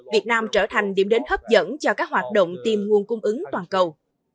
việt nam trở thành điểm đến hấp dẫn cho các hoạt động tìm nguồn cung ứng toàn cầu